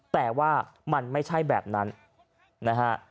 แต่ว่ามันไม่ใช่แบบนั้นนะฮะ